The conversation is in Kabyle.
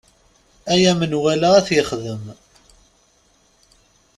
Aya menwala ad t-yexdem.